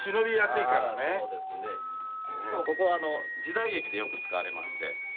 しかもここは時代劇でよく使われまして。